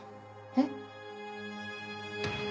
えっ？